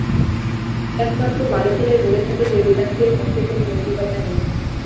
একমাত্র বালকেরাই বলে থাকে যে, বেদান্তের মধ্যে কোন নৈতিকতা নেই।